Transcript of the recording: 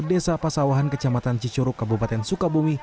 desa pasawahan kecamatan cicuruk kabupaten sukabumi